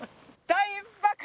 大爆発！